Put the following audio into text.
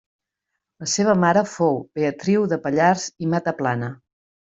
La seva mare fou Beatriu de Pallars i Mataplana.